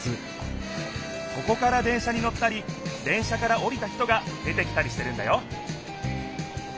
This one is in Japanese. ここから電車に乗ったり電車からおりた人が出てきたりしてるんだよ